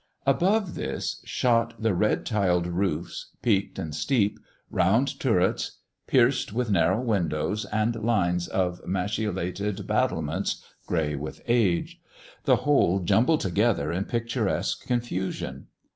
Above this shot the red tiled roofs, peaked and steep, round turrets, pierced with narrow windows, and lines of machi colated battlements grey with age; the whole jumbled together in picturesque confusion.